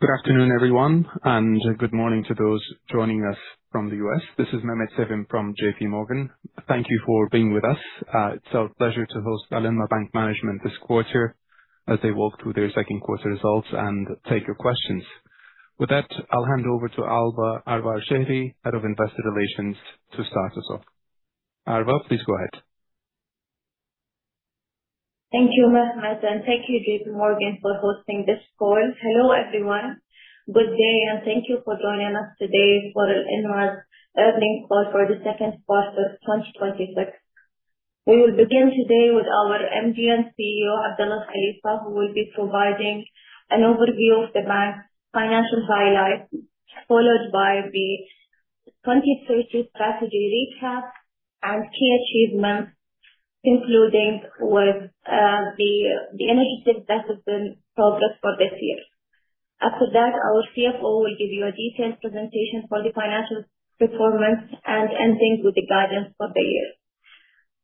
Good afternoon, everyone, and good morning to those joining us from the U.S. This is Mehmet Sevim from J.P. Morgan. Thank you for being with us. It's our pleasure to host Alinma Bank management this quarter as they walk through their second quarter results and take your questions. With that, I'll hand over to Alva Arwasihi, head of investor relations, to start us off. Alva, please go ahead. Thank you, Mehmet, and thank you J.P. Morgan for hosting this call. Hello, everyone. Good day and thank you for joining us today for Alinma's earnings call for the second quarter of 2026. We will begin today with our MD and CEO, Abdullah Ali AlKhalifa, who will be providing an overview of the bank's financial highlights, followed by the 2030 strategy recap and key achievements, including with the initiatives that have been progressed for this year. After that, our CFO will give you a detailed presentation for the financial performance and ending with the guidance for the year.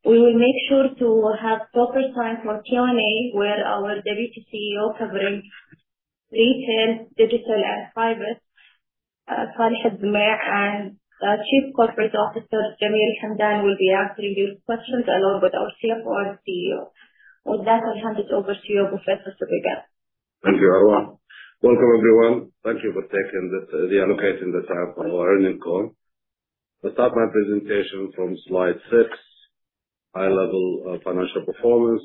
We will make sure to have proper time for Q&A with our deputy CEO covering retail, digital, and private, Saleh Abdullah AlZumaie, and our chief corporate officer, Jameel AlHamdan, will be answering your questions along with our CFO and CEO. I'll hand it over to you, Professor, to begin. Thank you, Alva. Welcome, everyone. Thank you for allocating the time for our earnings call. I'll start my presentation from slide six, high level financial performance.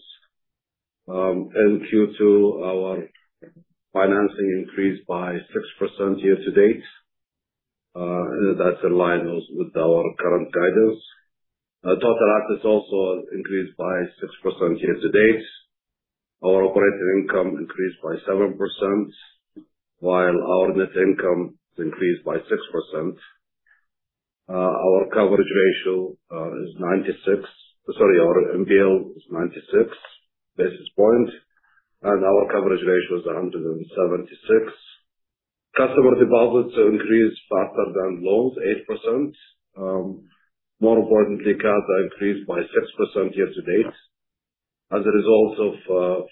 In Q2, our financing increased by 6% year-to-date. That's in line with our current guidance. Total assets also increased by 6% year-to-date. Our operating income increased by 7%, while our net income increased by 6%. Our NPL is 96 basis points, and our coverage ratio is 176%. Customer deposits have increased faster than loans, 8%. More importantly, CASA increased by 6% year-to-date as a result of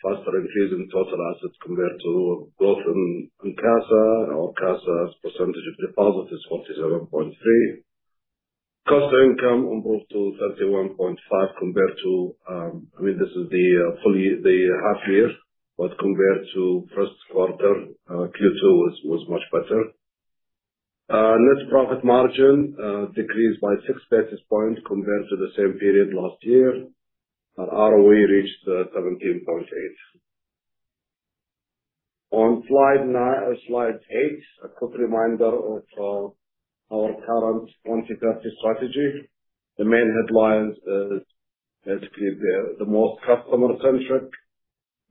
faster increase in total assets compared to growth in CASA. Our CASA as percentage of deposit is 47.3%. Cost to income improved to 31.5%. This is the half year, compared to first quarter, Q2 was much better. Net profit margin decreased by six basis points compared to the same period last year. Our ROE reached 17.8%. On slide eight, a quick reminder of our current 2030 strategy. The main headlines is basically the most customer-centric,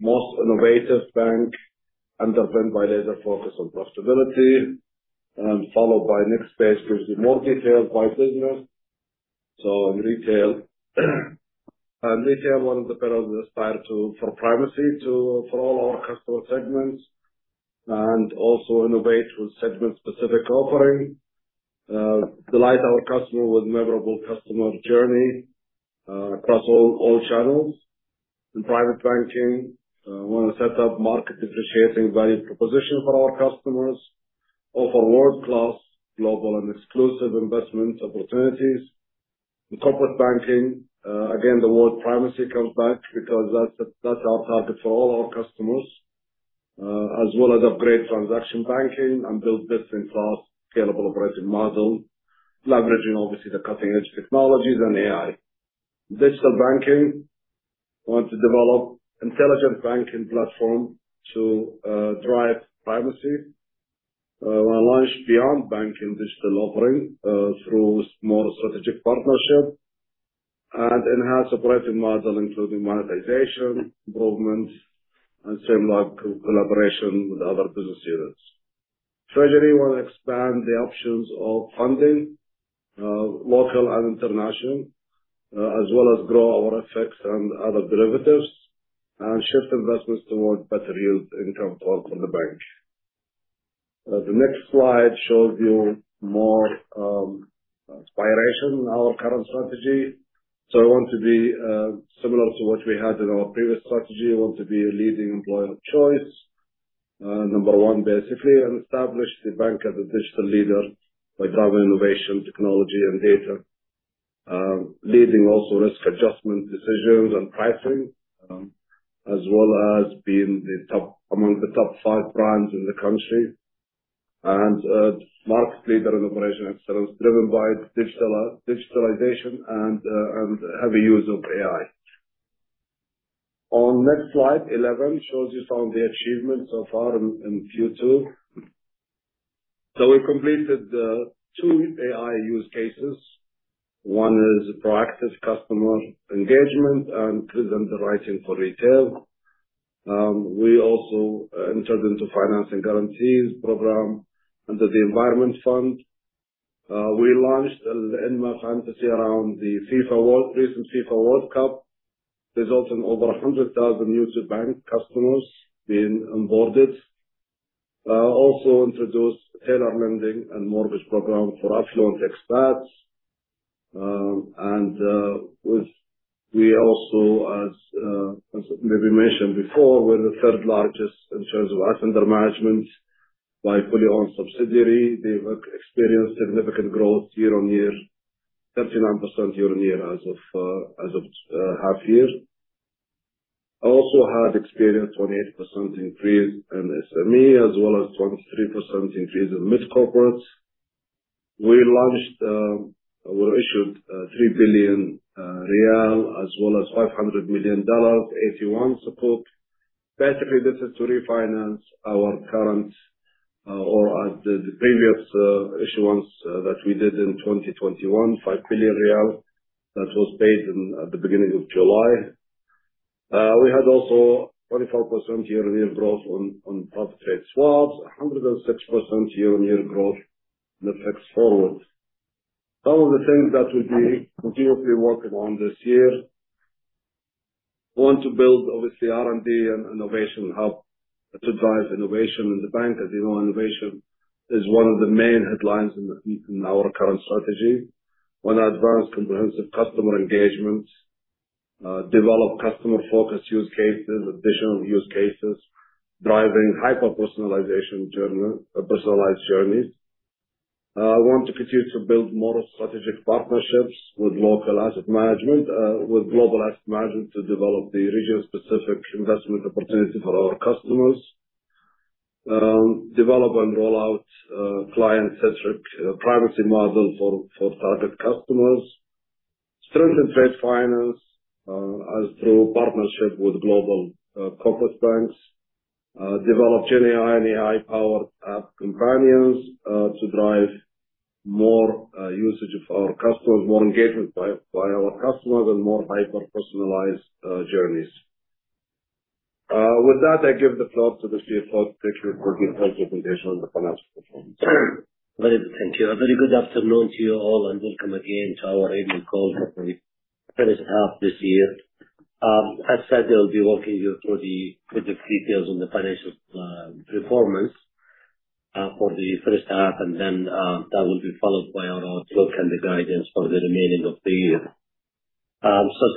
most innovative bank underpinned by laser focus on profitability, followed by next page, which is more detailed by business. In retail, one of the pillars we aspire to for primacy for all our customer segments, also innovate with segment specific offering. Delight our customer with memorable customer journey across all channels. In private banking, we want to set up market differentiating value proposition for our customers, offer world-class global and exclusive investment opportunities. In corporate banking, again, the word primacy comes back because that's our target for all our customers. As well as upgrade transaction banking and build best-in-class scalable operating model, leveraging obviously the cutting-edge technologies and AI. We want to develop intelligent banking platform to drive primacy. We launched beyond banking digital offering through more strategic partnership and enhanced operating model, including monetization, improvements, and same like collaboration with other business units. Treasury wants to expand the options of funding, local and international, as well as grow our FX and other derivatives and shift investments towards better yield income for the bank. The next slide shows you more inspiration, our current strategy. We want to be similar to what we had in our previous strategy. We want to be a leading employer of choice. Number one, basically, and establish the bank as a digital leader by driving innovation, technology, and data. Leading also risk adjustment decisions and pricing, as well as being among the top 5 brands in the country. A market leader in operational excellence driven by digitalization and heavy use of AI. On next slide 11, shows you some of the achievements so far in Q2. We've completed two AI use cases. One is proactive customer engagement and credit underwriting for retail. We also entered into financing guarantees program under the Environmental Fund. We launched Alinma Fursan around the recent FIFA World Cup, results in over 100,000 new bank customers being onboarded. We also introduced tailor lending and mortgage program for affluent expats. We also, as maybe mentioned before, we're the third largest in terms of asset under management by fully owned subsidiary. They've experienced significant growth year-on-year, 39% year-on-year as of half year. We also have experienced 28% increase in SME, as well as 23% increase in mid-corporates. We issued SAR 3 billion as well as $500 million AT1 Sukuk. This is to refinance our current or the previous issuance that we did in 2021, SAR 5 billion that was paid at the beginning of July. We had also 24% year-on-year growth on Treasury swaps, 106% year-on-year growth in the FX forwards. Some of the things that we'll be continuously working on this year, we want to build obviously R&D and innovation hub to drive innovation in the bank. As you know, innovation is one of the main headlines in our current strategy. We want to advance comprehensive customer engagement, develop customer focus use cases, additional use cases, driving hyper-personalized journeys. We want to continue to build more strategic partnerships with global asset management to develop the region-specific investment opportunity for our customers. We want to develop and roll out client-centric privacy model for target customers. We want to strengthen trade finance through partnership with global corporate banks. We want to develop GenAI and AI-powered app companions to drive more usage of our customers, more engagement by our customers, and more hyper-personalized journeys. With that, I give the floor to the CFO, Richard, for details on the financial performance. Thank you. A very good afternoon to you all and welcome again to our annual call for the first half this year. As said, they'll be walking you through the details on the financial performance for the first half, then that will be followed by our outlook and the guidance for the remaining of the year.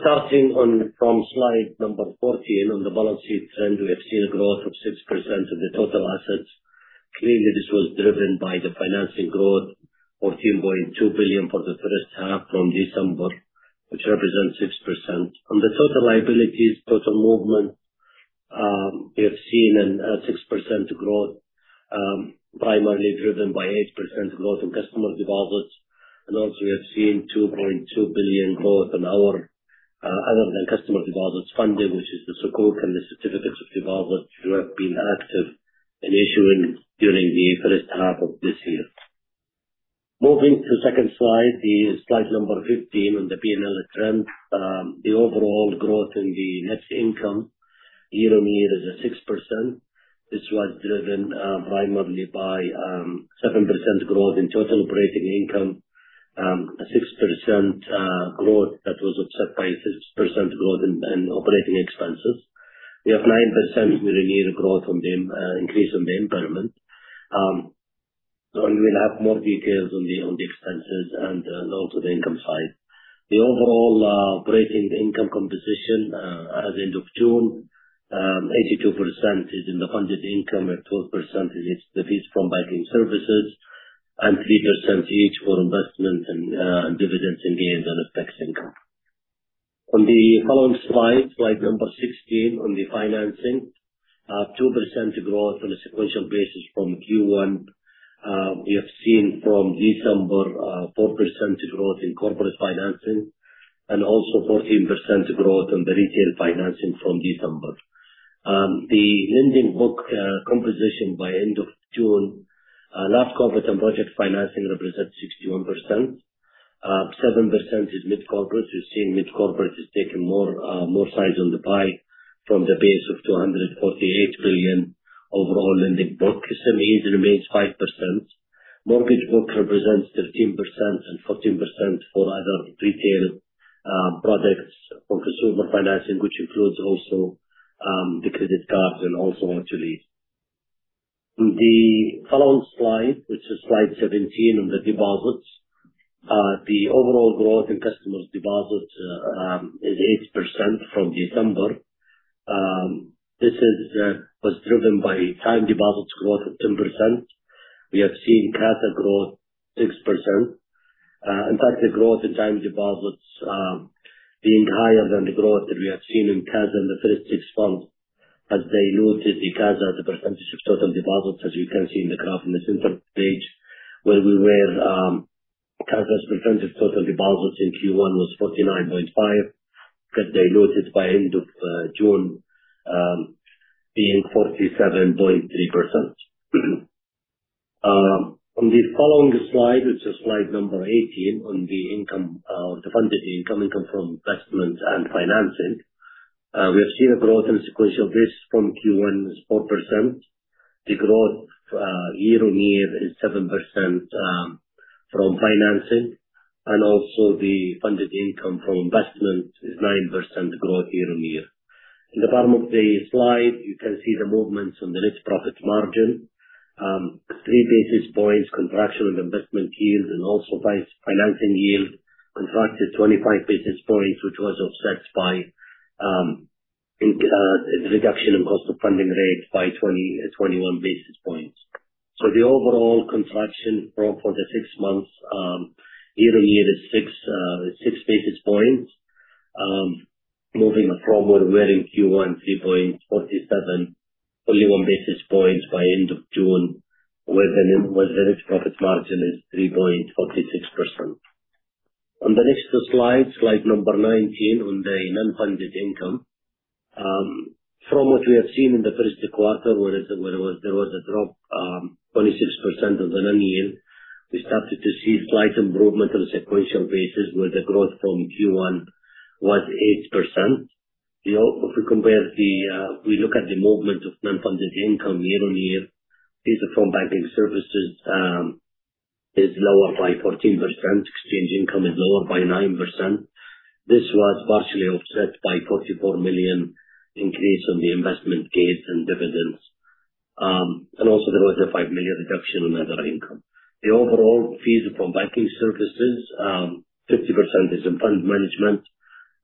Starting from slide number 14 on the balance sheet trend, we have seen growth of 6% of the total assets. Clearly, this was driven by the financing growth, 14.2 billion for the first half from December, which represents 6%. On the total liabilities, total movement, we have seen a 6% growth, primarily driven by 8% growth in customer deposits. Also we have seen 2.2 billion growth on our other than customer deposits funding, which is the Sukuk and the certificates of deposit, which we have been active in issuing during the first half of this year. Moving to second slide number 15 on the P&L trend. The overall growth in the net income year-on-year is at 6%. This was driven primarily by 7% growth in total operating income, 6% growth that was offset by 6% growth in operating expenses. We have 9% year-on-year growth on the increase on the impairment. We'll have more details on the expenses and also the income side. The overall operating income composition at the end of June, 82% is in the funded income, 12% is the fees from banking services, and 3% each for investment and dividends and gains on FX income. On the following slide number 16 on the financing. 2% growth on a sequential basis from Q1. We have seen from December, 4% growth in corporate financing Also 14% growth on the retail financing from December. The lending book composition by end of June. Large corporate and project financing represents 61%. 7% is mid-corporate. We're seeing mid-corporate has taken more size on the pie from the base of 248 billion overall lending book. SME remains 5%. Mortgage book represents 13% Also 14% for other retail products for consumer financing, which includes Also the credit cards Also auto lease. On the following slide, which is slide 17 on the deposits. The overall growth in customers deposits is 8% from December. This was driven by time deposits growth of 10%. We have seen CASA growth 6%. In fact, the growth in time deposits being higher than the growth that we have seen in CASA in the first six months as diluted the CASA as a percentage of total deposits, as you can see in the graph in the center page, CASA's percentage total deposits in Q1 was 49.5%, got diluted by end of June being 47.3%. On the following slide, which is slide number 18 on the funded income from investments and financing. We have seen a growth in sequential basis from Q1 is 4%. The growth year on year is 7% from financing, Also the funded income from investments is 9% growth year on year. In the bottom of the slide, you can see the movements on the net profit margin. 3 basis points contraction on investment yield. Also financing yield contracted 25 basis points, which was offset by the reduction in cost of funding rate by 20-21 basis points. The overall contraction for the 6 months year-on-year is 6 basis points. Moving from where we were in Q1, 3.47, only 1 basis point by end of June, where the net profit margin is 3.46%. On the next slide number 19 on the non-funded income. From what we have seen in the first quarter where there was a drop, 26% on the non-yield, we started to see slight improvement on a sequential basis where the growth from Q1 was 8%. If we look at the movement of non-funded income year-on-year, fees from banking services is lower by 14%, exchange income is lower by 9%. This was partially offset by 44 million increase on the investment gains and dividends. Also there was a 5 million reduction in other income. The overall fees from banking services, 50% is in fund management,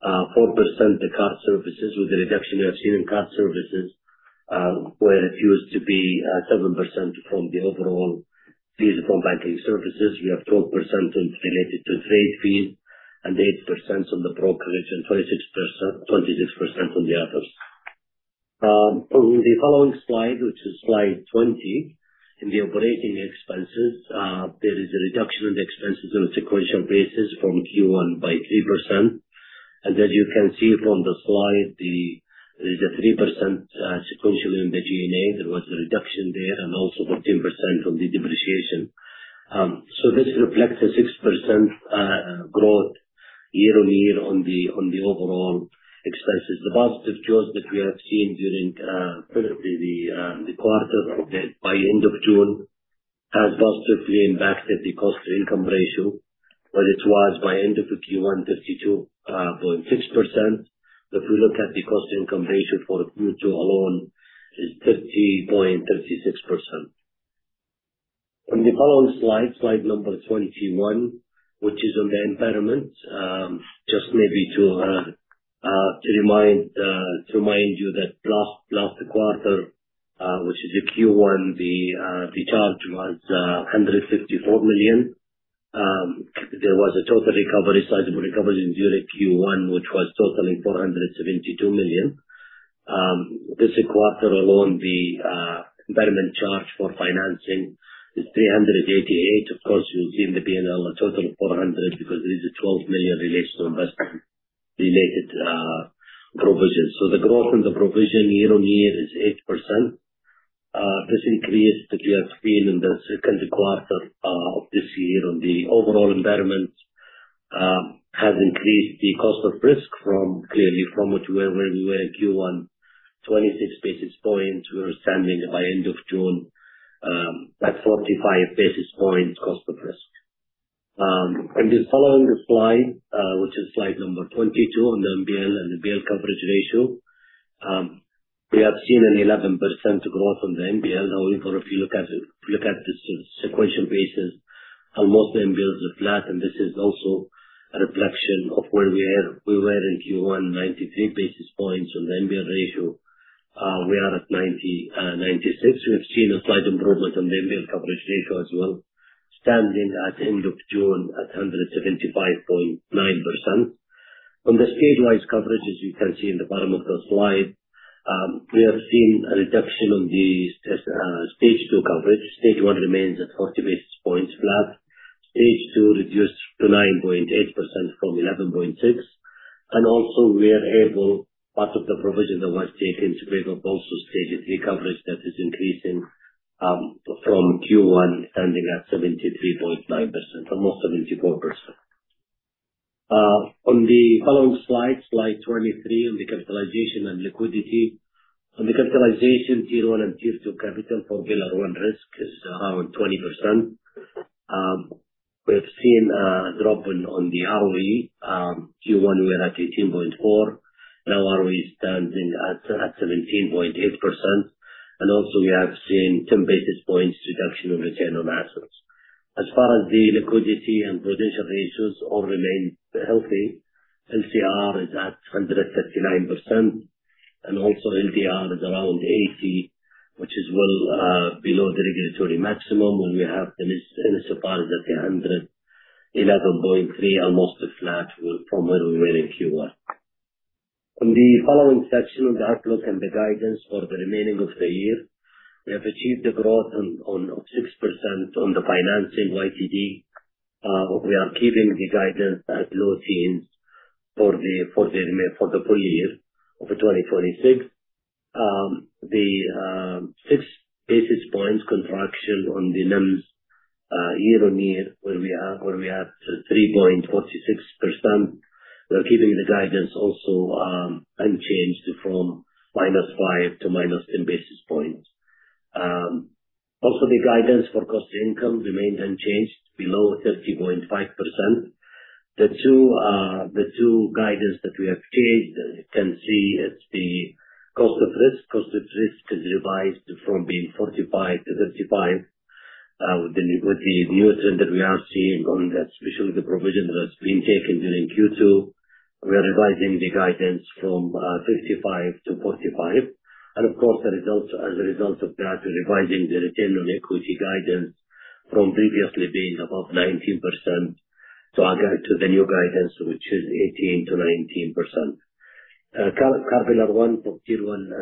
4% the card services with a reduction we are seeing in card services, where it used to be 7% from the overall fees from banking services. We have 12% related to trade fees and 8% on the brokerage and 26% on the others. On the following slide, which is slide 20, in the operating expenses, there is a reduction in the expenses on a sequential basis from Q1 by 3%. As you can see from the slide, there is a 3% sequential in the G&A. There was a reduction there and also 14% from the depreciation. So this reflects a 6% growth year-on-year on the overall expenses. The positive choice that we have seen during the quarter by end of June has positively impacted the cost to income ratio, where it was by end of the Q1, 32.6%. If we look at the cost income ratio for Q2 alone, is 30.36%. On the following slide number 21, which is on the impairment. Just maybe to remind you that last quarter, which is the Q1, the charge was 154 million. There was a total recovery, sizable recovery during Q1 which was totaling 472 million. This quarter alone, the impairment charge for financing is 388. Of course, you will see in the P&L a total of 400 because there is a 12 million related to investment, related provisions. So the growth on the provision year-on-year is 8%. This increase that we have seen in the second quarter of this year on the overall impairment has increased the cost of risk from clearly from where we were in Q1, 26 basis points. We are standing by end of June at 45 basis points cost of risk. In the following slide, which is slide number 22 on the NPL and the NPL coverage ratio. We have seen an 11% growth on the NPL only for if you look at the sequential basis, almost the NPLs are flat, and this is also a reflection of where we were in Q1, 93 basis points on the NPL ratio. We are at 96. We have seen a slight improvement on the NPL coverage ratio as well, standing at end of June at 175.9%. On the stage-wise coverage, as you can see in the bottom of the slide, we are seeing a reduction on the stage 2 coverage. Stage 1 remains at 40 basis points flat. Stage 2 reduced to 9.8% from 11.6%. We are able, part of the provision that was taken to build up also stage 3 coverage that is increasing from Q1 standing at 73.5%, almost 74%. On the following slide 23 on the capitalization and liquidity. On the capitalization, tier 1 and tier 2 capital for pillar 1 risk is around 20%. We have seen a drop on the ROE. Q1, we are at 18.4%. Now ROE is standing at 17.8%. We have seen 10 basis points reduction on return on assets. As far as the liquidity and prudential ratios all remain healthy. LCR is at 139%. LDR is around 80%, which is well below the regulatory maximum. We have the NSFR is at 111.3%, almost flat from where we were in Q1. In the following section on the outlook and the guidance for the remaining of the year, we have achieved the growth of 6% on the financing YTD. We are keeping the guidance as low teens for the full year of 2026. The 6 basis points contraction on the NIMs year-on-year where we are at 3.46%. We are keeping the guidance also unchanged from -5 to -10 basis points. Also, the guidance for cost to income remains unchanged below 30.5%. The two guidance that we have changed, as you can see, it's the cost of risk. Cost of risk is revised from being 45 to 55, with the new trend that we are seeing on that, especially the provision that has been taken during Q2. We are revising the guidance from 55 to 45. As a result of that, we're revising the return on equity guidance from previously being above 19%, to the new guidance, which is 18%-19%. Capital at 1 for tier 1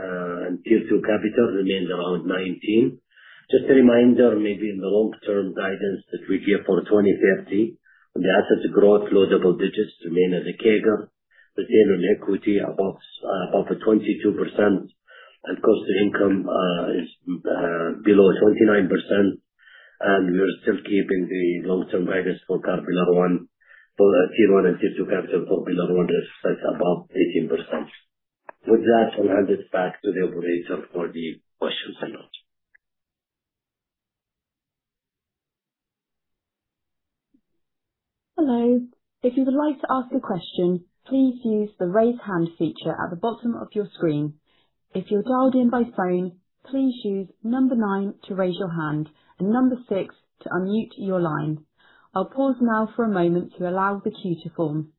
and tier 2 capital remains around 19%. Just a reminder, maybe in the long-term guidance that we give for 2030, the assets growth low double digits remain as a CAGR. Return on equity above 22%. Cost to income is below 29%. We're still keeping the long-term guidance for capital at 1 for tier 1 and tier 2 capital for below that above 18%. With that, I'll hand it back to the operator for the questions and answers. Hello. If you would like to ask a question, please use the raise hand feature at the bottom of your screen. If you're dialed in by phone, please use number nine to raise your hand and number six to unmute your line. I'll pause now for a moment to allow the queue to form.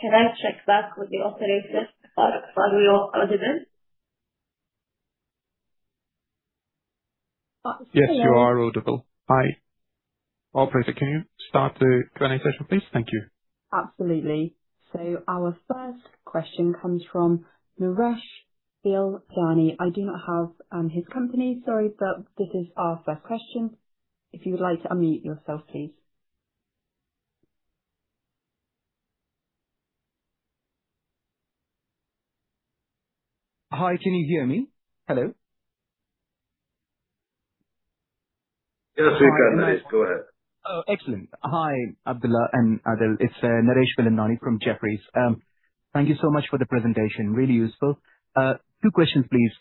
Can I check back with the operator? Are we all audible? Yes, you are audible. Hi. Operator, can you start the Q&A session, please? Thank you. Absolutely. Our first question comes from Naresh Bilyani. I do not have his company. Sorry. This is our first question. If you would like to unmute yourself, please. Hi, can you hear me? Hello. Yes, we can. Go ahead. Excellent. Hi, Abdullah and Adel. It's Naresh Bilyani from Jefferies. Thank you so much for the presentation. Really useful. Two questions, please.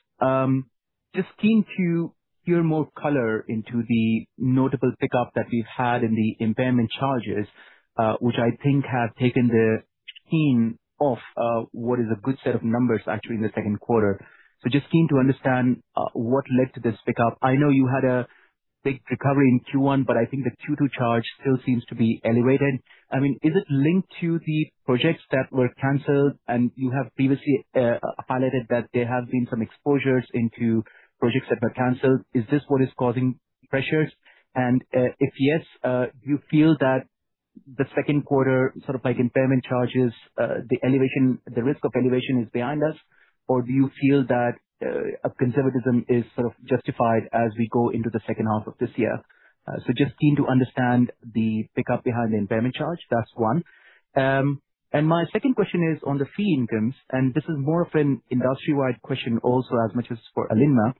Just keen to hear more color into the notable pickup that we've had in the impairment charges, which I think have taken the sheen off what is a good set of numbers actually in the second quarter. Just keen to understand what led to this pickup. I know you had a big recovery in Q1, but I think the Q2 charge still seems to be elevated. Is it linked to the projects that were canceled, and you have previously highlighted that there have been some exposures into projects that were canceled. Is this what is causing pressures? If yes, do you feel that the second quarter impairment charges, the risk of elevation is behind us? Do you feel that conservatism is sort of justified as we go into the second half of this year? Just keen to understand the pickup behind the impairment charge. That's one. My second question is on the fee incomes, and this is more of an industry-wide question also as much as for Alinma.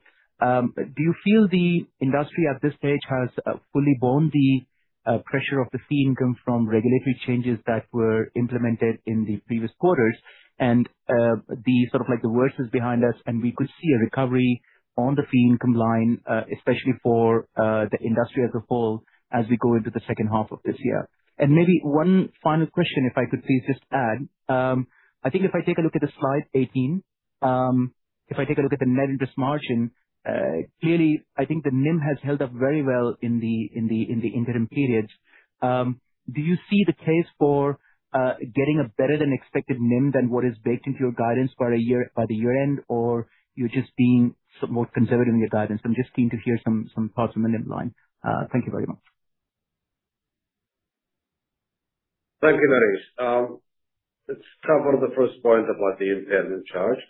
Do you feel the industry at this stage has fully borne the pressure of the fee income from regulatory changes that were implemented in the previous quarters and the worst is behind us, and we could see a recovery on the fee income line, especially for the industry as a whole as we go into the second half of this year? Maybe one final question, if I could please just add. I think if I take a look at slide 18, if I take a look at the Net Interest Margin, clearly, I think the NIM has held up very well in the interim periods. Do you see the case for getting a better-than-expected NIM than what is baked into your guidance by the year-end, or you are just being more conservative in your guidance? I am just keen to hear some thoughts on the NIM line. Thank you very much. Thank you, Naresh. Let us cover the first point about the impairment charge.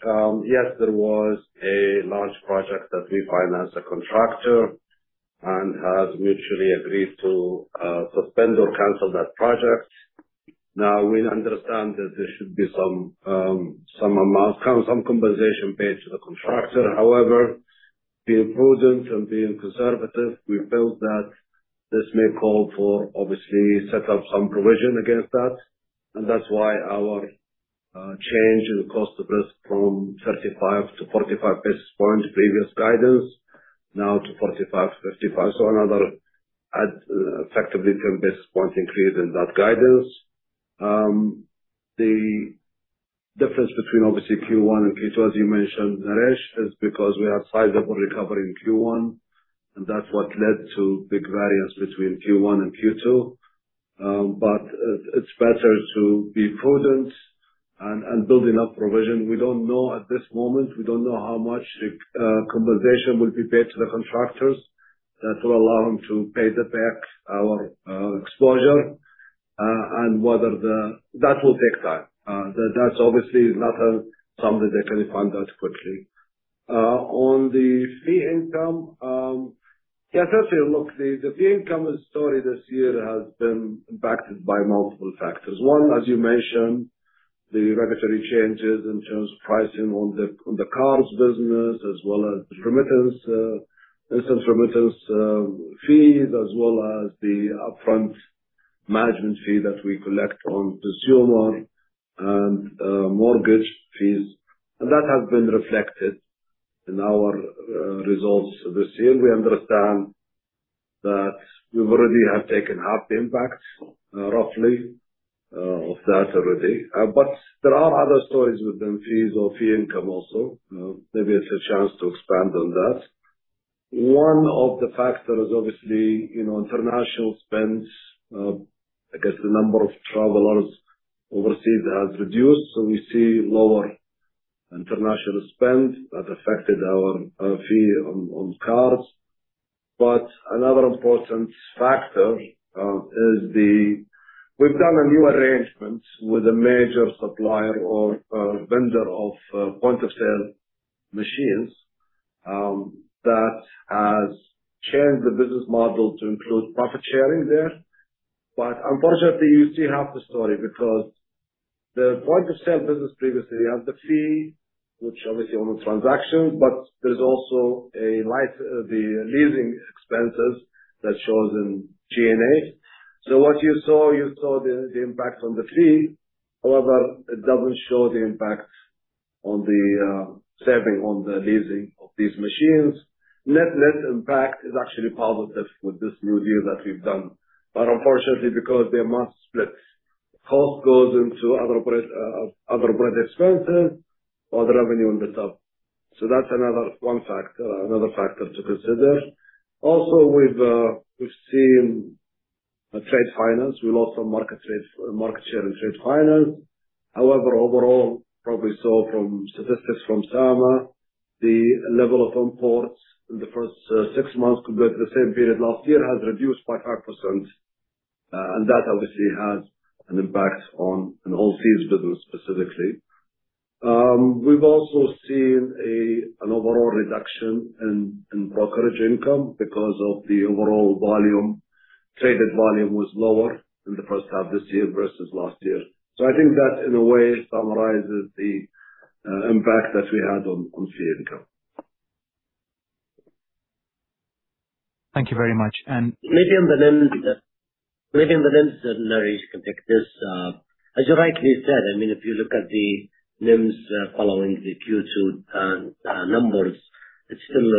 Yes, there was a large project that we financed a contractor and has mutually agreed to suspend or cancel that project. We understand that there should be some amount, some compensation paid to the contractor. However, being prudent and being conservative, we felt that this may call for obviously set up some provision against that. That is why our change in cost of risk from 35 to 45 basis points previous guidance, now to 45, 55. So another effectively 10 basis point increase in that guidance. Difference between obviously Q1 and Q2, as you mentioned, Naresh, is because we have sizable recovery in Q1, and that is what led to big variance between Q1 and Q2. It is better to be prudent and build enough provision. We do not know at this moment, we do not know how much compensation will be paid to the contractors that will allow them to pay back our exposure, and that will take time. That is obviously not something that can be found out quickly. On the fee income. Sasha, look, the fee income story this year has been impacted by multiple factors. One, as you mentioned, the regulatory changes in terms of pricing on the cards business as well as instant remittance fees, as well as the upfront management fee that we collect on consumer and mortgage fees. That has been reflected in our results this year. We understand that we have already taken half the impact, roughly, of that already. There are other stories within fees or fee income also. Maybe it is a chance to expand on that. One of the factors, obviously, international spends, I guess the number of travelers overseas has reduced, so we see lower international spend that affected our fee on cards. Another important factor is we have done a new arrangement with a major supplier or a vendor of point-of-sale machines, that has changed the business model to include profit sharing there. Unfortunately, you see half the story, because the point-of-sale business previously had the fee, which obviously on the transaction, but there is also a lease, the leasing expenses that shows in G&A. What you saw, you saw the impact on the fee. However, it does not show the impact on the saving on the leasing of these machines. Net-net impact is actually positive with this new deal that we have done. Unfortunately, because they are must-splits, half goes into other operating expenses, or the revenue on the top. That's another factor to consider. We've seen trade finance. We lost some market share in trade finance. However, overall, probably saw from statistics from SAMA, the level of imports in the first six months compared to the same period last year has reduced by 5%, and that obviously has an impact on the whole fees business specifically. We've also seen an overall reduction in brokerage income because of the overall traded volume was lower in the first half this year versus last year. I think that, in a way, summarizes the impact that we had on fee income. Thank you very much. Maybe on the NIMs, Naresh can take this. As you rightly said, if you look at the NIMs following the Q2 numbers, it still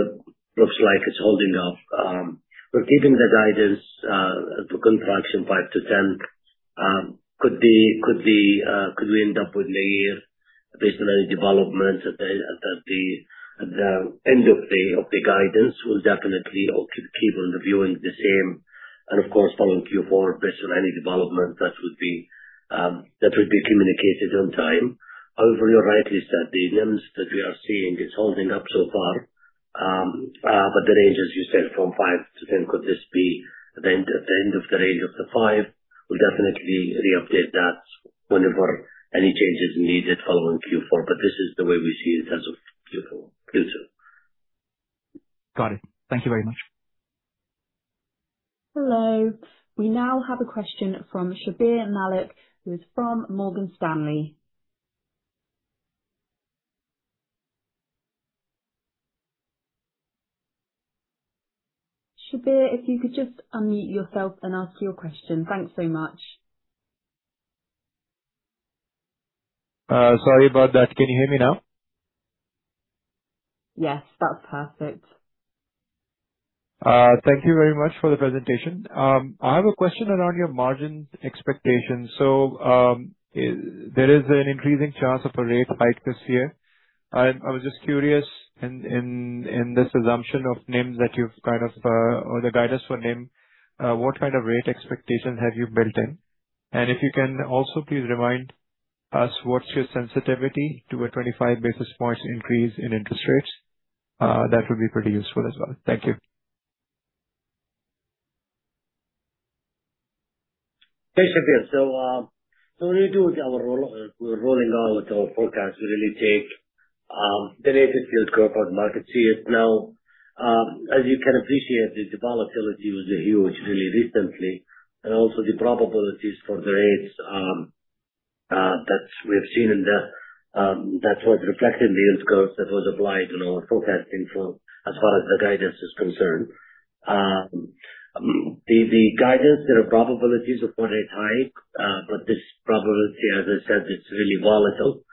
looks like it's holding up. We're giving the guidance, the contraction, 5%-10%. Could we end up with a base development at the end of the guidance? We'll definitely keep on reviewing the same, and of course, following Q4, based on any development that would be communicated on time. However, you rightly said the NIMs that we are seeing is holding up so far. The range, as you said, from 5%-10%, could this be the end of the range of the 5? We'll definitely re-update that whenever any change is needed following Q4, but this is the way we see it as of Q2. Got it. Thank you very much. Hello. We now have a question from Shabbir Malik, who is from Morgan Stanley. Shabbir, if you could just unmute yourself and ask your question. Thanks so much. Sorry about that. Can you hear me now? Yes, that's perfect. Thank you very much for the presentation. I have a question around your margin expectations. There is an increasing chance of a rate hike this year. I was just curious in this assumption of NIMs that you've or the guidance for NIM, what kind of rate expectation have you built in? And if you can also please remind us what's your sensitivity to a 25 basis points increase in interest rates. That would be pretty useful as well. Thank you. Thanks, Shabbir. When we do our rolling out of our forecast, we really take the latest yields corporate market sees. As you can appreciate, the volatility was huge really recently, and also the probabilities for the rates that we've seen. That's what reflected the yield scope that was applied in our forecasting as far as the guidance is concerned. The guidance, there are probabilities of a rate hike, but this probability, as I said, it's really volatile.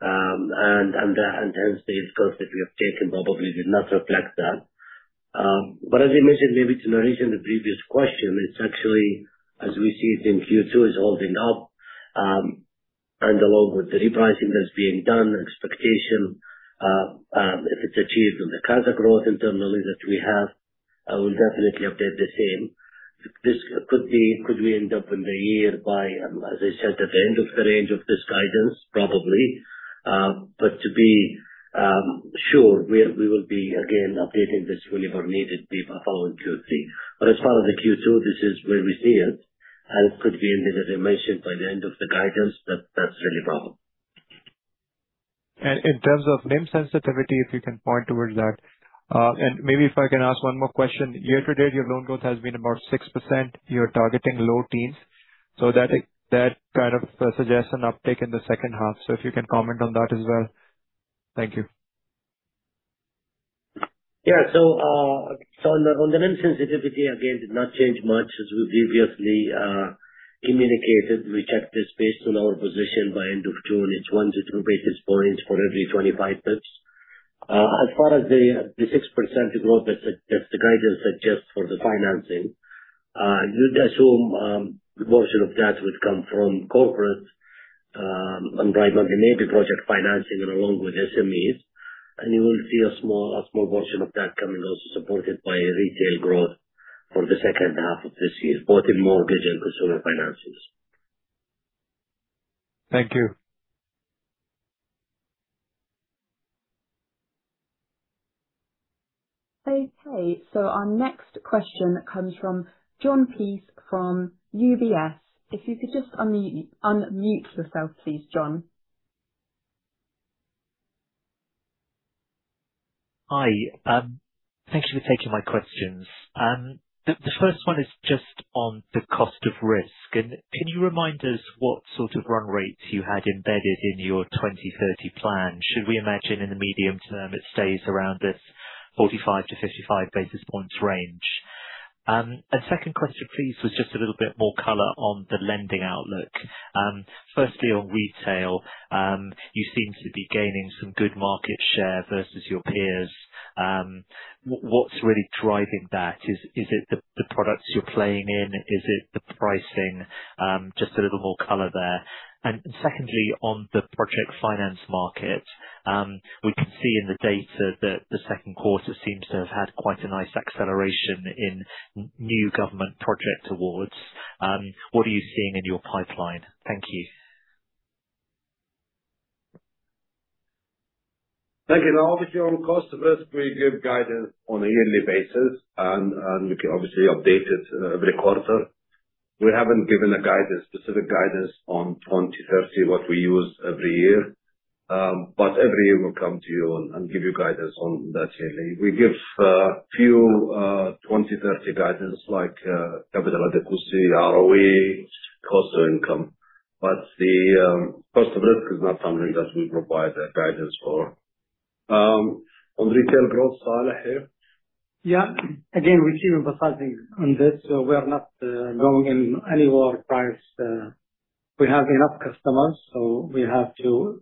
Hence the discourse that we have taken probably did not reflect that. As I mentioned, maybe to Naresh in the previous question, it's actually, as we see it in Q2, is holding up. Along with the repricing that's being done, expectation, if it's achieved on the kind of growth internally that we have, I will definitely update the same. Could we end up in the year by, as I said, at the end of the range of this guidance? Probably. To be sure, we will be, again, updating this whenever needed following Q3. As far as the Q2, this is where we see it, and it could be ended, as I mentioned, by the end of the guidance, that's really about. In terms of NIM sensitivity, if you can point towards that. Maybe if I can ask one more question. Year-to-date, your loan growth has been about 6%. You're targeting low teens. That kind of suggests an uptick in the second half. If you can comment on that as well. Thank you. Yeah. On the NIM sensitivity, again, did not change much as we previously communicated. We checked this based on our position by end of June. It's 1 to 2 basis points for every 25 basis points. As far as the 6% growth that the guidance suggests for the financing, you'd assume the portion of that would come from corporate, and primarily maybe project financing along with SMEs. You will see a small portion of that coming also supported by retail growth for the second half of this year, both in mortgage and consumer finances. Thank you. Our next question comes from John Pease from UBS. If you could just unmute yourself, please, John. Hi. Thank you for taking my questions. The first one is just on the cost of risk. Can you remind us what sort of run rates you had embedded in your 2030 plan? Should we imagine in the medium term it stays around this 45-55 basis points range? Second question, please, was just a little bit more color on the lending outlook. Firstly, on retail, you seem to be gaining some good market share versus your peers. What's really driving that? Is it the products you're playing in? Is it the pricing? Just a little more color there. Secondly, on the project finance market. We can see in the data that the second quarter seems to have had quite a nice acceleration in new government project awards. What are you seeing in your pipeline? Thank you. On cost of risk, we give guidance on a yearly basis, we can obviously update it every quarter. We haven't given a specific guidance on 2030, what we use every year. Every year we'll come to you and give you guidance on that yearly. We give a few 2030 guidance like capital adequacy, ROE, cost to income. The cost of risk is not something that we provide a guidance for. On retail growth, Saleh? Yeah. Again, we keep emphasizing on this. We are not going in any war price. We have enough customers. We have to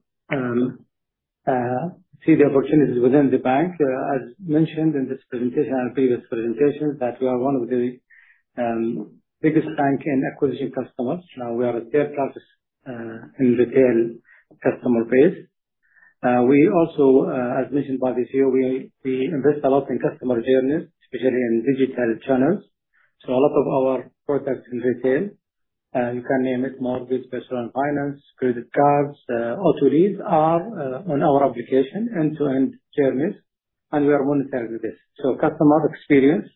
see the opportunities within the bank. As mentioned in this presentation and previous presentations, that we are one of the biggest bank in acquisition customers. We are a third largest in retail customer base. As mentioned by the CEO, we invest a lot in customer journeys, especially in digital channels. A lot of our products in retail, you can name it, mortgage, personal finance, credit cards, auto lease, are on our application, end-to-end journeys, and we are monitoring this. Customer experience,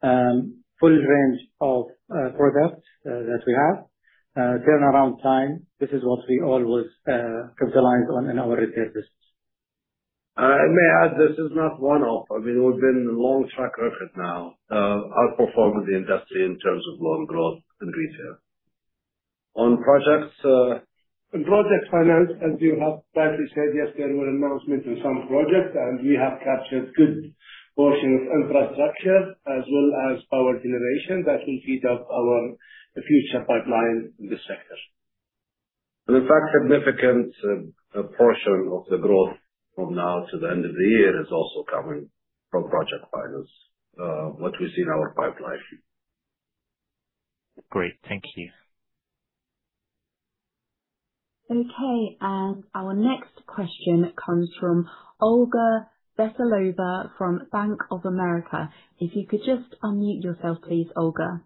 full range of products that we have, turnaround time, this is what we always capitalize on in our retail business. May I add, this is not one-off. I mean, we've been long track record now, outperforming the industry in terms of loan growth in retail. On projects On project finance, as you have rightly said, yes, there were announcement in some projects. We have captured good portion of infrastructure as well as our generation that will heat up our future pipeline in this sector. In fact, significant portion of the growth from now to the end of the year is also coming from project finance, what we see in our pipeline. Great. Thank you. Our next question comes from Olga Bespalova from Bank of America. If you could just unmute yourself, please, Olga. Hello, Olga.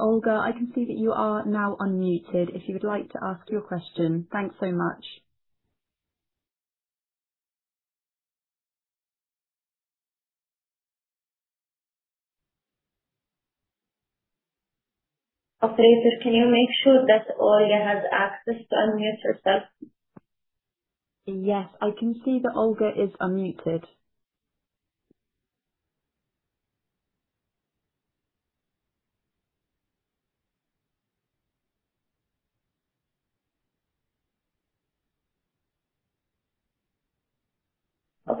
I can see that you are now unmuted if you would like to ask your question. Thanks so much. Operator, can you make sure that Olga has access to unmute herself? Yes, I can see that Olga is unmuted.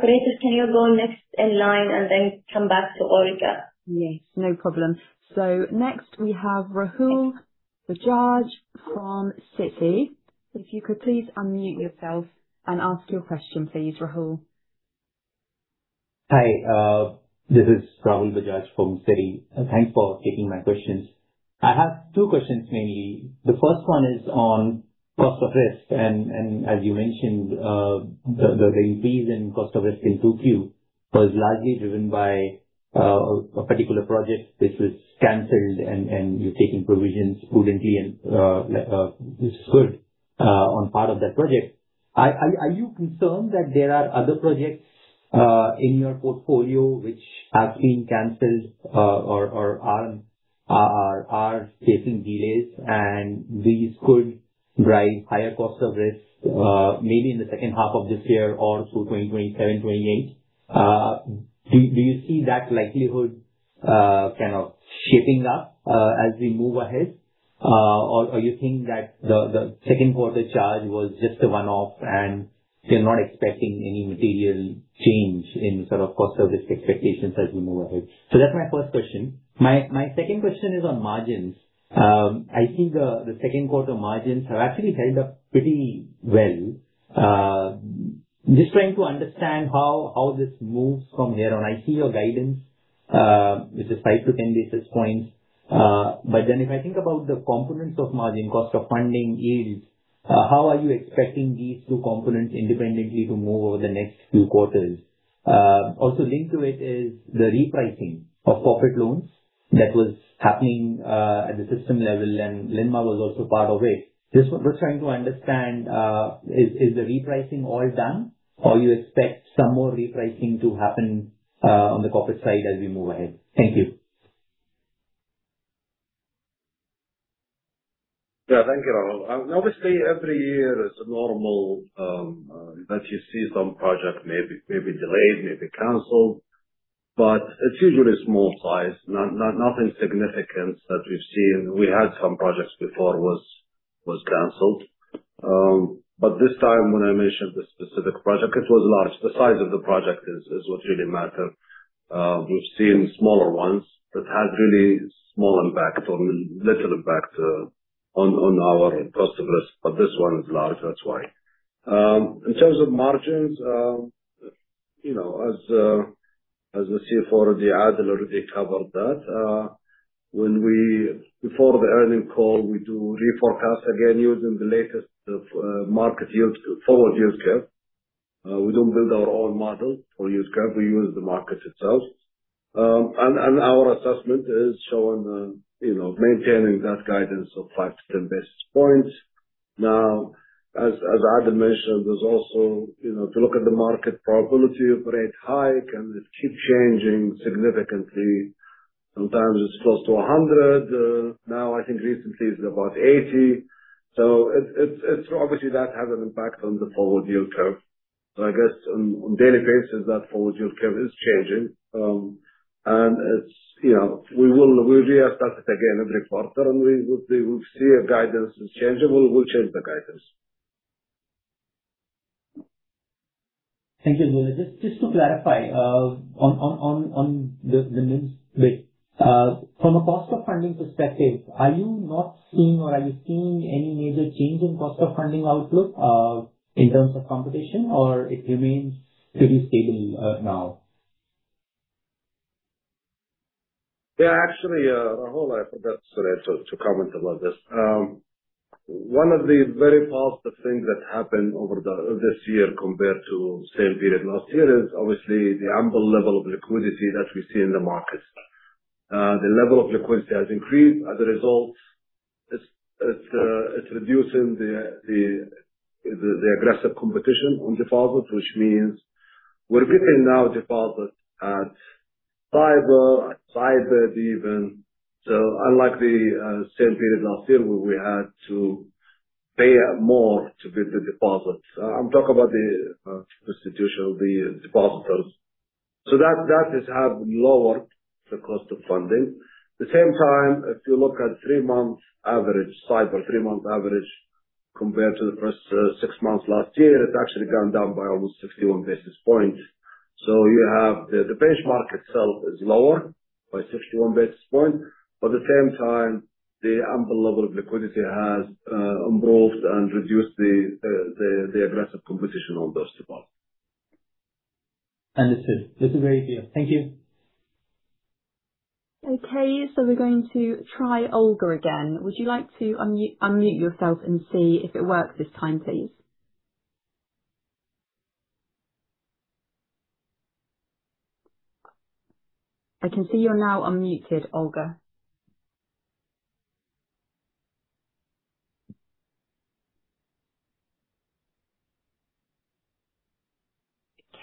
Operators, can you go next in line and then come back to Olga? Yes, no problem. Next we have Rahul Bajaj from Citi. If you could please unmute yourself and ask your question, please, Rahul. Hi, this is Rahul Bajaj from Citi. Thanks for taking my questions. I have two questions mainly. The first one is on cost of risk. As you mentioned, the increase in cost of risk in 2Q was largely driven by a particular project which was canceled, and you're taking provisions prudently, and this is good on part of that project. Are you concerned that there are other projects in your portfolio which have been canceled or are facing delays and these could drive higher cost of risk, maybe in the second half of this year or through 2027, 2028? Do you see that likelihood shaping up, as we move ahead? You think that the second quarter charge was just a one-off, and you're not expecting any material change in sort of cost of risk expectations as we move ahead? That's my first question. My second question is on margins. I think the second quarter margins have actually held up pretty well. Just trying to understand how this moves from here on. I see your guidance, which is 5 to 10 basis points. If I think about the components of margin, cost of funding yields, how are you expecting these two components independently to move over the next few quarters? Also linked to it is the repricing of profit loans that was happening, at the system level, and Alinma was also part of it. Just trying to understand, is the repricing all done, or you expect some more repricing to happen on the corporate side as we move ahead? Thank you. Thank you, Rahul. Every year it's normal that you see some projects may be delayed, may be canceled, but it's usually small size. Nothing significant that we've seen. We had some projects before was canceled. This time, when I mentioned the specific project, it was large. The size of the project is what really matters. We've seen smaller ones that had really small impact or little impact on our cost of risk. This one is large, that's why. In terms of margins, as the CFO, Adel, already covered that. Before the earning call, we do reforecast again using the latest of market yields, forward yields curve. We don't build our own model for yield curve. We use the market itself. Our assessment is showing maintaining that guidance of 5 to 10 basis points. As Adel mentioned, to look at the market probability of rate hike, it keeps changing significantly. Sometimes it's close to 100. I think recently it's about 80. Obviously that has an impact on the forward yield curve. I guess on daily basis that forward yield curve is changing. We will reassess it again every quarter, and we will see if guidance is changeable, we'll change the guidance. Thank you. Just to clarify, on the Alinma's bit. From a cost of funding perspective, are you not seeing, or are you seeing any major change in cost of funding outlook, in terms of competition, or it remains pretty stable now? Actually, Rahul, I forgot today to comment about this. One of the very positive things that happened over this year compared to the same period last year is obviously the ample level of liquidity that we see in the market. The level of liquidity has increased. As a result, it's reducing the aggressive competition on deposits, which means we're getting now deposits at 5.3 even. Unlike the same period last year, where we had to pay more to build the deposits. I'm talking about the institutional, the depositors. That has helped lower the cost of funding. At the same time, if you look at three-month average, SAIBOR three-month average compared to the first six months last year, it's actually gone down by almost 61 basis points. You have the benchmark itself is lower by 61 basis points, but at the same time, the ample level of liquidity has improved and reduced the aggressive competition on those deposits. Understood. This is very clear. Thank you. We're going to try Olga again. Would you like to unmute yourself and see if it works this time, please? I can see you're now unmuted, Olga.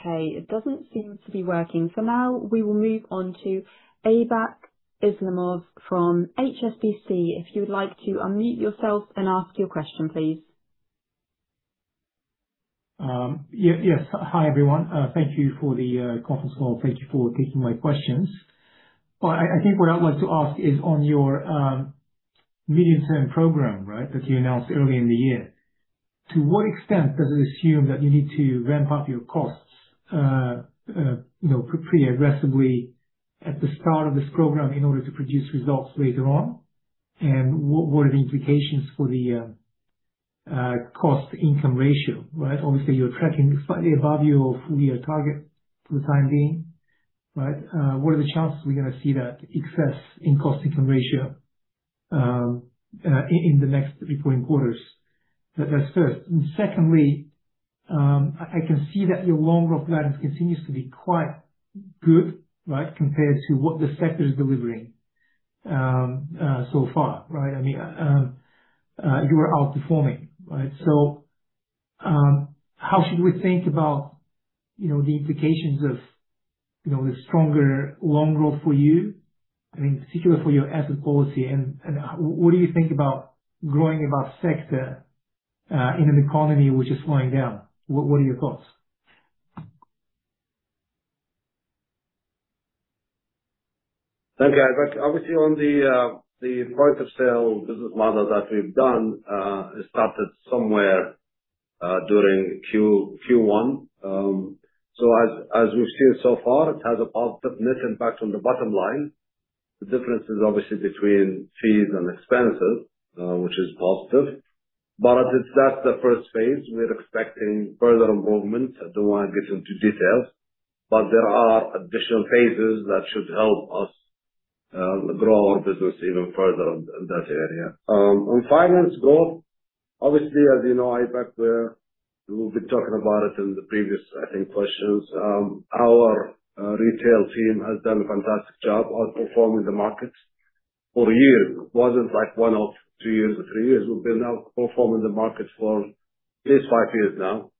It doesn't seem to be working. For now, we will move on to Aybek Islamov from HSBC. If you would like to unmute yourself and ask your question, please. Yes. Hi, everyone. Thank you for the conference call. Thank you for taking my questions. I think what I would like to ask is on your medium-term program, right, that you announced earlier in the year. To what extent does it assume that you need to ramp up your costs pretty aggressively at the start of this program in order to produce results later on? What are the implications for the cost-income ratio, right? Obviously, you're tracking slightly above your full-year target for the time being, right? What are the chances we're going to see that excess in cost-income ratio in the next reporting quarters? That's first. Secondly, I can see that your loan growth guidance continues to be quite good, right, compared to what the sector is delivering so far. Right? You are outperforming. Right? How should we think about the implications of the stronger loan growth for you, in particular for your asset policy, and what do you think about growing above sector, in an economy which is slowing down? What are your thoughts? Okay. Look, obviously on the point of sale business model that we've done, it started somewhere during Q1. As we've seen so far, it has a positive net impact on the bottom line. The difference is obviously between fees and expenses, which is positive. As it's at the first phase, we're expecting further improvement. I don't want to get into details, but there are additional phases that should help us grow our business even further in that area. On finance growth, obviously, as you know, Ibak, we've been talking about it in the previous, I think, questions. Our retail team has done a fantastic job outperforming the market for a year. It wasn't like one-off, two years or three years. We've been outperforming the market for at least five years now.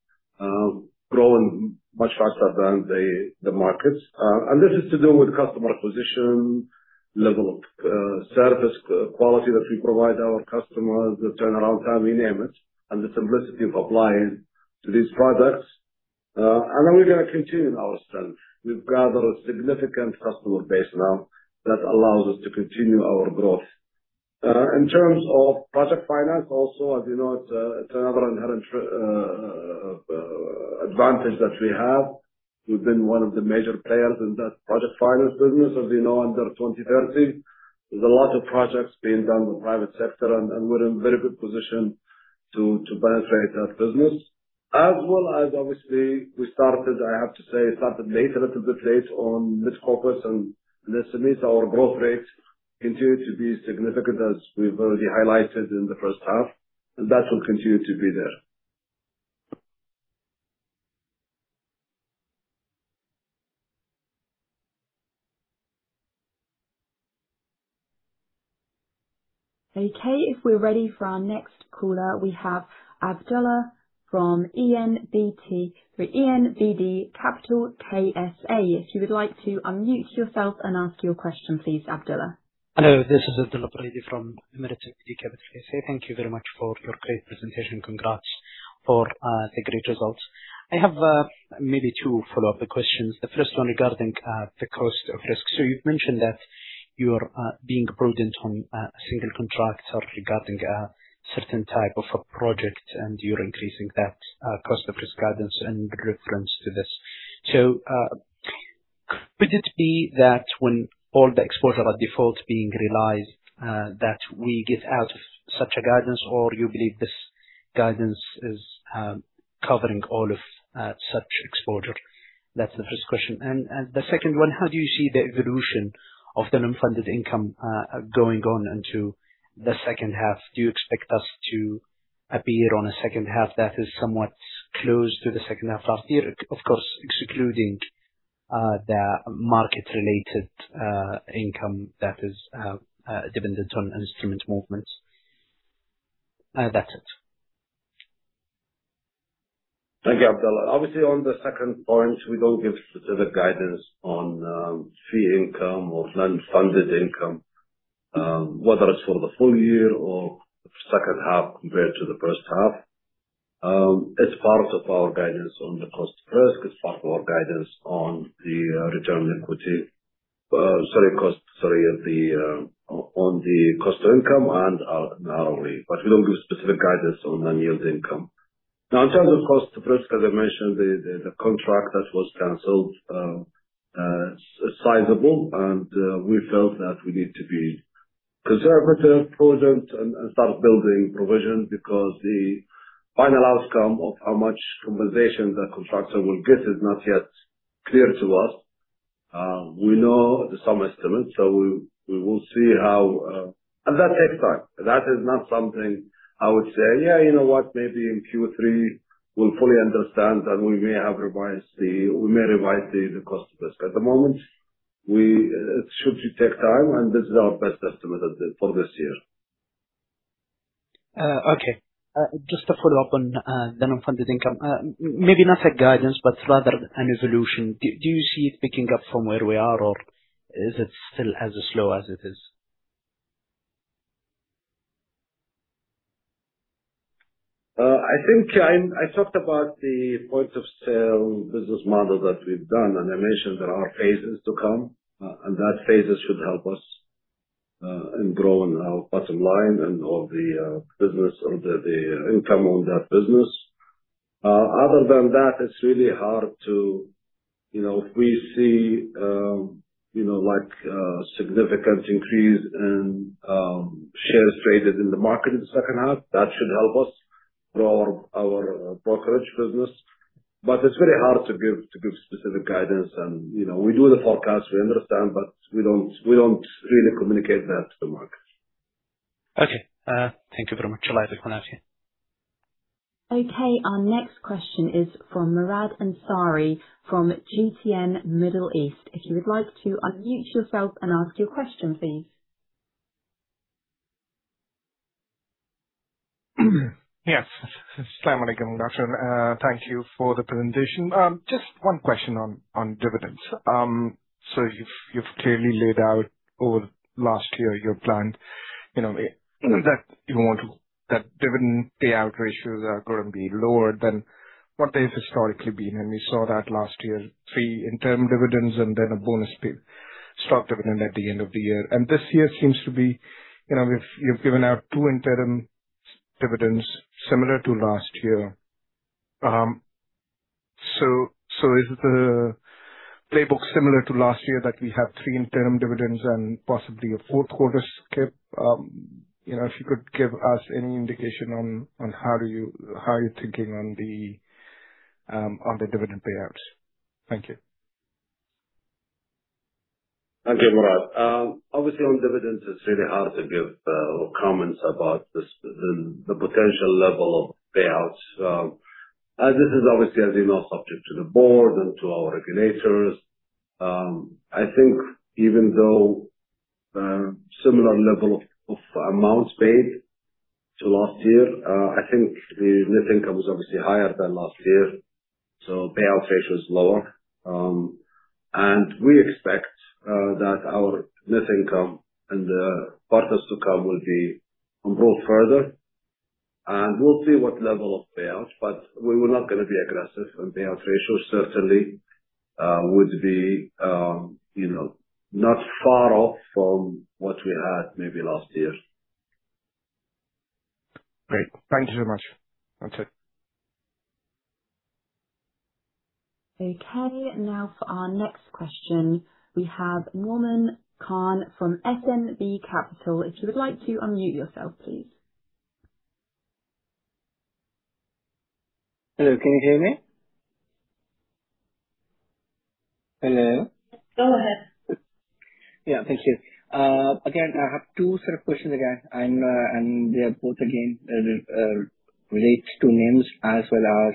Growing much faster than the markets. This is to do with customer acquisition, level of service, quality that we provide our customers, the turnaround time, you name it, and the simplicity of applying to these products. We're going to continue in our strength. We've gathered a significant customer base now that allows us to continue our growth. In terms of project finance, also as you know, it's another inherent advantage that we have. We've been one of the major players in that project finance business, as you know, under 2030. There's a lot of projects being done with private sector, and we're in very good position to benefit that business. As well as obviously, we started, I have to say, started late, a little bit late on mid-corporates and listed SMEs, our growth rates continue to be significant as we've already highlighted in the first half, and that will continue to be there. Okay. If we're ready for our next caller, we have Abdullah from ENBD Capital KSA. If you would like to unmute yourself and ask your question, please, Abdullah. Hello, this is Abdullah Baridi from Emirates NBD Capital KSA. Thank you very much for your great presentation. Congrats for the great results. I have maybe two follow-up questions. The first one regarding the cost of risk. You've mentioned that you're being prudent on single contracts or regarding a certain type of a project, and you're increasing that cost of risk guidance in reference to this. Could it be that when all the exposure of default being realized, that we get out of such a guidance or you believe this guidance is covering all of such exposure? That's the first question. The second one, how do you see the evolution of the non-funded income going on into the second half? Do you expect us to appear on a second half that is somewhat close to the second half last year? Of course, excluding the market-related income that is dependent on instrument movements. That's it. Thank you, Abdullah. Obviously, on the second point, we don't give specific guidance on fee income or non-funded income, whether it's for the full year or second half compared to the first half. It's part of our guidance on the cost of risk. It's part of our guidance on the return on equity. Sorry, on the cost of income and narrowly. We don't give specific guidance on non-yield income. In terms of cost of risk, as I mentioned, the contract that was canceled, sizable, and we felt that we need to be conservative, prudent and start building provision because the final outcome of how much compensation the contractor will get is not yet clear to us. We know the sum estimate. That takes time. That is not something I would say, "You know what, maybe in Q3 we'll fully understand, and we may revise the cost of risk." At the moment, it should take time, and this is our best estimate for this year. Okay. Just to follow up on the non-funded income. Maybe not a guidance, but rather an evolution. Do you see it picking up from where we are, or is it still as slow as it is? I think I talked about the point of sale business model that we've done, and I mentioned there are phases to come. That phases should help us in growing our bottom line and all the business or the income on that business. Other than that, if we see significant increase in shares traded in the market in the second half, that should help us grow our brokerage business. It's very hard to give specific guidance. We do the forecast, we understand, but we don't really communicate that to the market. Okay. Thank you very much. Okay, our next question is from Murad Ansari from GTN Middle East. If you would like to unmute yourself and ask your question, please. Yes. As-salamu alaykum. Thank you for the presentation. Just one question on dividends. You've clearly laid out over last year your plan, that dividend payout ratios are going to be lower than what they've historically been. We saw that last year, three interim dividends and then a bonus stock dividend at the end of the year. This year seems to be, you've given out two interim dividends similar to last year. Is the playbook similar to last year that we have three interim dividends and possibly a fourth quarter skip? If you could give us any indication on how you're thinking on the dividend payouts. Thank you. Thank you, Murad. Obviously, on dividends, it's really hard to give comments about the potential level of payouts. This is obviously, as you know, subject to the board and to our regulators. I think even though similar level of amounts paid to last year, I think the net income is obviously higher than last year, payout ratio is lower. We expect that our net income in the quarters to come will be improved further, and we'll see what level of payouts, we were not going to be aggressive on payout ratio. Certainly, would be not far off from what we had maybe last year. Great. Thank you so much. That's it. Okay. Now for our next question, we have Nauman Khan from SNB Capital. If you would like to unmute yourself, please. Hello, can you hear me? Hello? Go ahead. Yeah, thank you. I have two set of questions again, they both, again, relate to NIMs as well as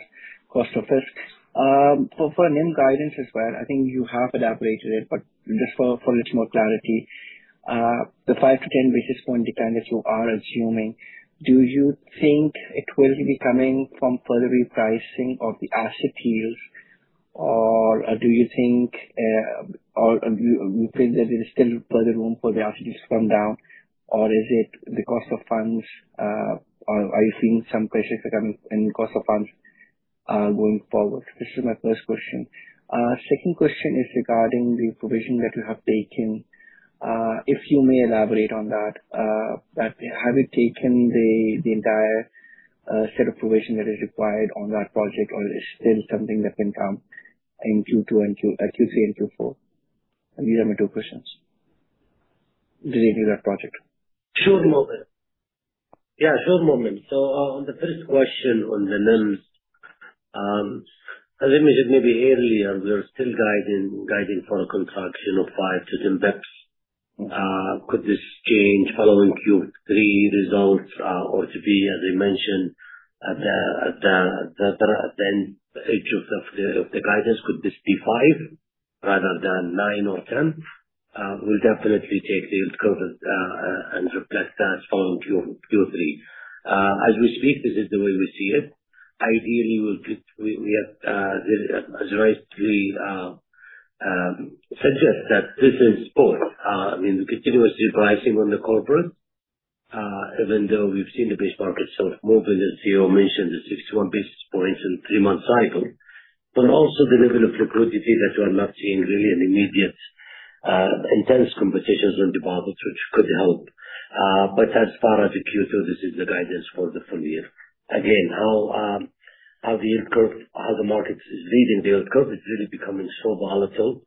cost of risk. For NIM guidance as well, I think you have elaborated it, but just for a little more clarity. The 5-10 basis point dependence you are assuming, do you think it will be coming from further repricing of the asset yields, do you think there is still further room for the asset yields to come down? Is it the cost of funds? Are you seeing some pressures in cost of funds going forward? This is my first question. Second question is regarding the provision that you have taken. If you may elaborate on that. Have you taken the entire set of provision that is required on that project, is still something that can come in Q2 and Q3 and Q4? These are my two questions relating to that project. Sure, Nauman. Yeah, sure, Nauman. On the first question on the NIMs, as I mentioned maybe earlier, we are still guiding for a contraction of 5 to 10 basis points. Could this change following Q3 results, or to be, as I mentioned, at the edge of the guidance, could this be five rather than nine or 10? We will definitely take the yield curve and reflect that following Q3. As we speak, this is the way we see it. Ideally, we have the right to suggest that this is both. We continuously pricing on the corporate, even though we have seen the base market sort of movement, as CEO mentioned, the 61 basis points in 3-month cycle. Also the level of liquidity that you are not seeing really an immediate intense competition on deposits, which could help. As far as the Q2, this is the guidance for the full year. Again, how the market is reading the yield curve, it is really becoming so volatile.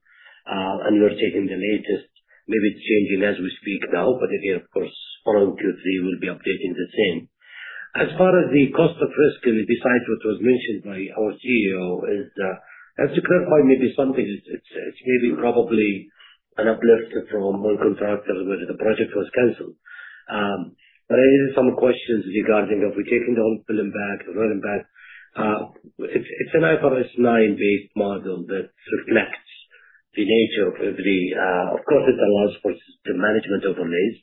We are taking the latest, maybe it is changing as we speak now, but again, of course, following Q3, we will be updating the same. As far as the cost of risk, besides what was mentioned by our CEO is, and to clarify maybe something, it is maybe probably an uplift from one contractor whether the project was canceled. There is some questions regarding, have we taken the whole bill in back or earn in back. It is an IFRS 9-based model that reflects the nature of. Of course, it allows for the management overlays.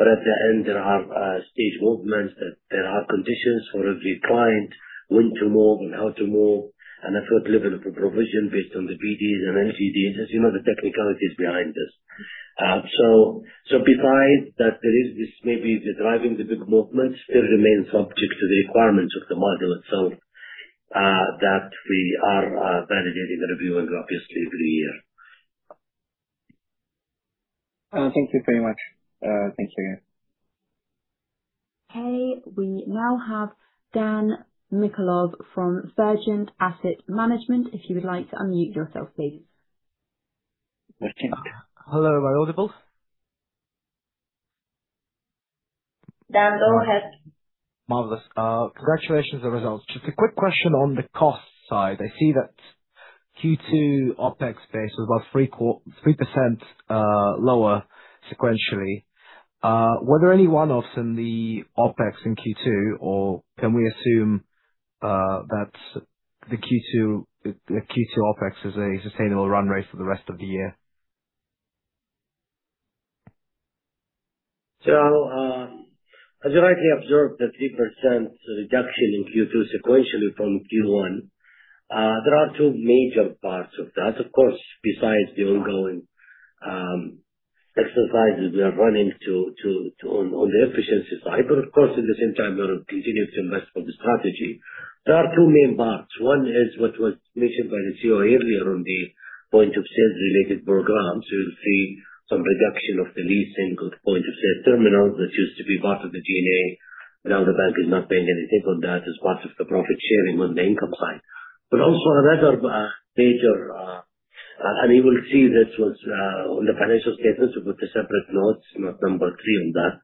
At the end, there are stage movements that there are conditions for every client when to move and how to move, and a third level of a provision based on the PDs and LGDs. As you know, the technicality is behind this. Besides that, there is this maybe driving the big movements still remains subject to the requirements of the model itself. That we are validating the review obviously every year. Thank you very much. Thank you again. Okay. We now have Dan Michalov from Vergent Asset Management. If you would like to unmute yourself, please. Hello, am I audible? Dan, go ahead. Marvelous. Congratulations on the results. Just a quick question on the cost side. I see that Q2 OpEx base was about 3% lower sequentially. Were there any one-offs in the OpEx in Q2, or can we assume that the Q2 OpEx is a sustainable run rate for the rest of the year? As you rightly observed, the 3% reduction in Q2 sequentially from Q1, there are two major parts of that. Of course, besides the ongoing exercises we are running on the efficiency side, but of course, at the same time, we will continue to invest for the strategy. There are two main parts. One is what was mentioned by the CEO earlier on the point-of-sales related programs. You'll see some reduction of the leasing of point-of-sales terminals that used to be part of the G&A. Now the bank is not paying anything on that as part of the profit sharing on the income side. Also, another major, and you will see this on the financial statements with the separate notes, note number three on that,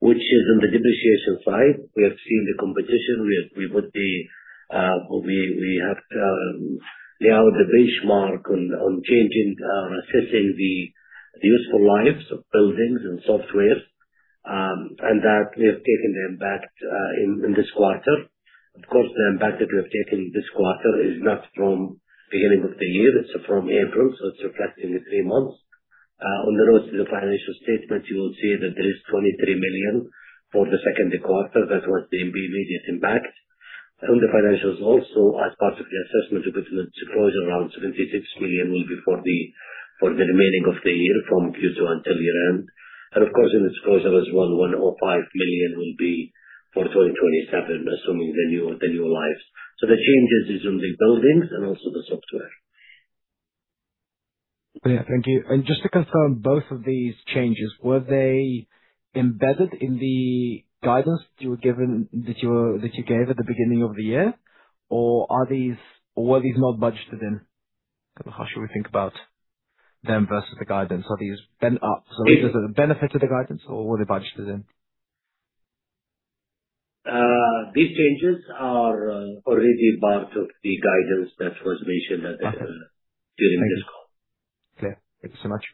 which is on the depreciation side. We have seen the competition. We have laid out the benchmark on changing, assessing the useful lives of buildings and software, and that we have taken the impact in this quarter. Of course, the impact that we have taken this quarter is not from beginning of the year, it's from April, so it's reflecting the three months. On the notes to the financial statements, you will see that there is 23 million for the second quarter. That was the immediate impact. From the financials also, as part of the assessment, we put in the disclosure around 76 million will be for the remaining of the year from Q2 until year-end. In the disclosure as well, 105 million will be for 2027, assuming the new lives. The changes is on the buildings and also the software. Yeah, thank you. Just to confirm, both of these changes, were they embedded in the guidance that you gave at the beginning of the year, or were these not budgeted in? How should we think about them versus the guidance? Are these benefits of the guidance or were they budgeted in? These changes are already part of the guidance that was mentioned at the- Got it. During this call. Thank you. Clear. Thank you so much.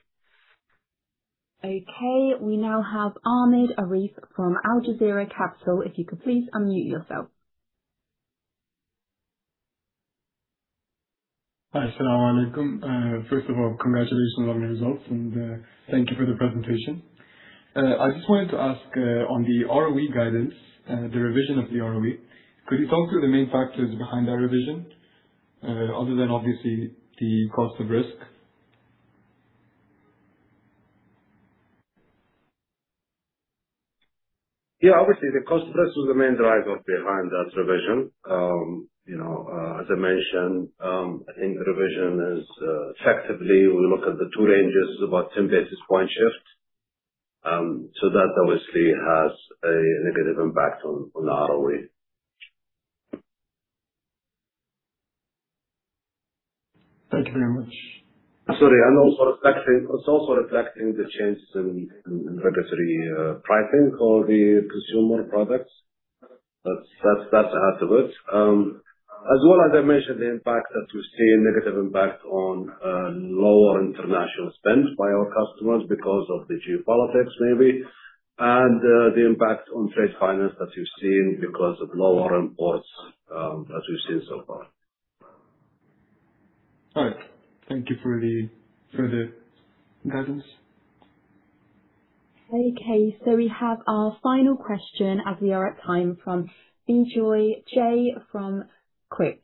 Okay. We now have Ahmed Arif from Al Jazeera Capital. If you could please unmute yourself. As-salamu alaykum. First of all, congratulations on your results. Thank you for the presentation. I just wanted to ask on the ROE guidance, the revision of the ROE, could you talk through the main factors behind that revision, other than obviously the cost of risk? Yeah, obviously, the cost of risk was the main driver behind that revision. As I mentioned, I think the revision is, effectively, we look at the two ranges, is about 10 basis point shift. That obviously has a negative impact on the ROE. Thank you very much. It's also reflecting the changes in regulatory pricing for the consumer products. That's how it works. As well as I mentioned, the impact that we're seeing, negative impact on lower international spend by our customers because of the geopolitics, maybe, and the impact on trade finance that we've seen because of lower imports as we've seen so far. All right. Thank you for the guidance. We have our final question as we are at time from Bijoy J from QIC.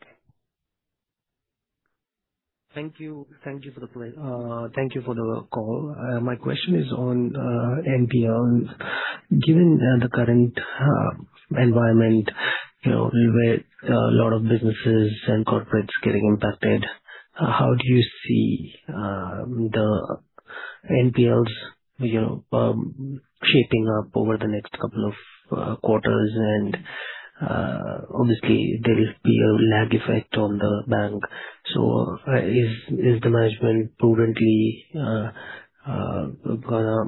Thank you for the call. My question is on NPLs. Given the current environment where a lot of businesses and corporates getting impacted, how do you see the NPLs shaping up over the next couple of quarters? Obviously, there will be a lag effect on the bank. Is the management prudently going to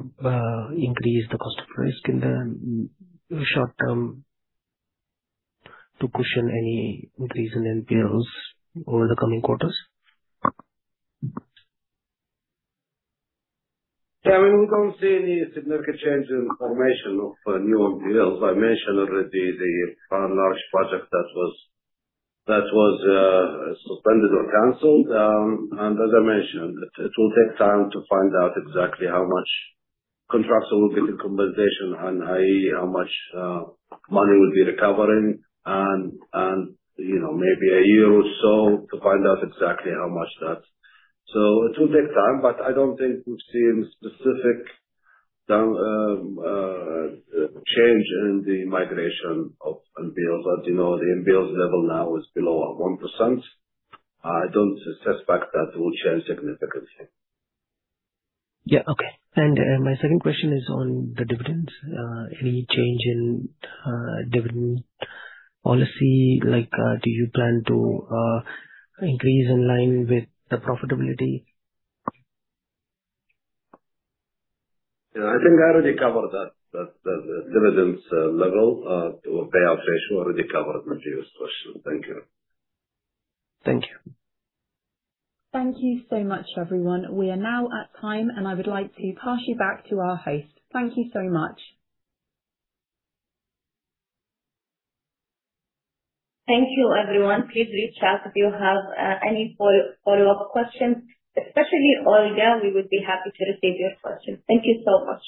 increase the cost of risk in the short term to cushion any increase in NPLs over the coming quarters? We don't see any significant change in formation of new NPLs. I mentioned already the Far Large project that was suspended or canceled. As I mentioned, it will take time to find out exactly how much contractor will get in compensation and i.e., how much money we'll be recovering, and maybe a year or so to find out exactly how much that's. It will take time, but I don't think we've seen specific change in the migration of NPLs. As you know, the NPLs level now is below 1%. I don't suspect that will change significantly. Okay. My second question is on the dividends. Any change in dividend policy? Do you plan to increase in line with the profitability? I think I already covered that. The dividends level, the payout ratio, I already covered Mujeeb's question. Thank you. Thank you. Thank you so much, everyone. We are now at time, and I would like to pass you back to our host. Thank you so much. Thank you, everyone. Please reach out if you have any follow-up questions, especially Olga, we would be happy to receive your questions. Thank you so much.